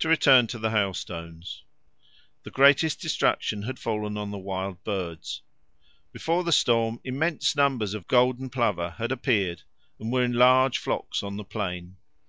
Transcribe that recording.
To return to the hailstones. The greatest destruction had fallen on the wild birds. Before the storm immense numbers of golden plover had appeared and were in large flocks on the plain.